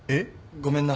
ごめんな。